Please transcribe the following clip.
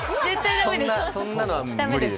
そんなのは駄目です。